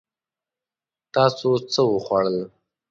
تاسو څه وخوړل؟